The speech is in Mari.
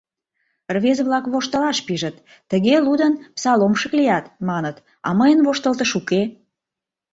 Рвез-влак воштылаш пижыт: тыге лудын, псаломшык лият, маныт, а мыйын воштылтыш уке.